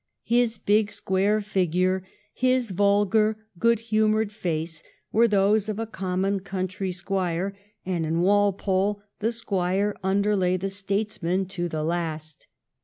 'His big, square figure, his vulgar, good humoured face, were those of a common country squire. And in Walpole the squire underlay the statesman to the last.